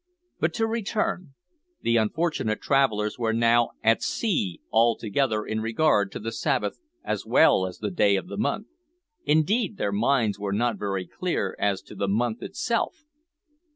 But to return, the unfortunate travellers were now "at sea" altogether in regard to the Sabbath as well as the day of the month. Indeed their minds were not very clear as to the month itself!